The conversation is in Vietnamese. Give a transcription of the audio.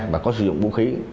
và có sử dụng vũ khí